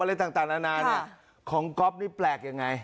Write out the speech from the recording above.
อะไรต่างต่างนานานของก็บนี้แปลกยังไง